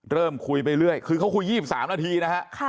เริ่มคุยไปเรื่อยคือเขาคุย๒๓นาทีนะฮะ